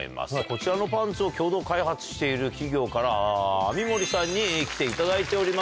こちらのパンツを共同開発している企業から網盛さんに来ていただいております。